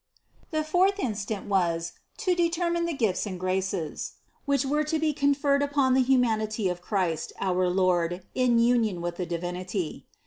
56 CITY OF GOD 41. The fourth instant was to determine the gifts and graces, which were to be conferred upon the humanity of Christ, our Lord, in union with the Divinity.